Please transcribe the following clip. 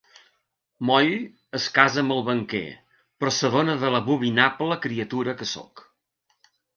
Moll es casa amb el banquer, però s'adona de l'abominable criatura que soc!